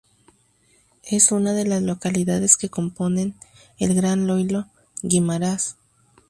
Es una de las localidades que componen al Gran Iloílo-Guimarás.